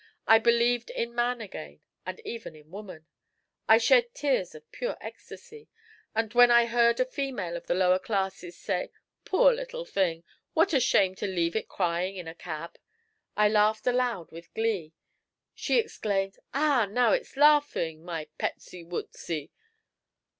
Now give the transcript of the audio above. I believed in man again, and even in woman. I shed tears of pure ecstasy; and when I heard a female of the lower classes say: 'Poor little thing! What a shame to leave it crying in a cab!' I laughed aloud in glee. She exclaimed: 'Ah! now it's laughing, my petsy wootsy!'